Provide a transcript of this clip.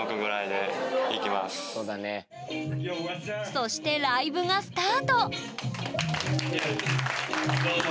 そしてライブがスタート！